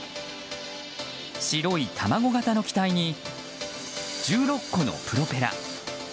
白い卵型の機体に１６個のプロペラ。